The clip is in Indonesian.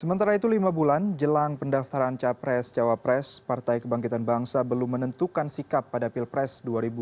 sementara itu lima bulan jelang pendaftaran capres cawapres partai kebangkitan bangsa belum menentukan sikap pada pilpres dua ribu dua puluh